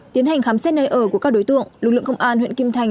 tiến hành khám xét nơi ở của các đối tượng lực lượng công an huyện kim thành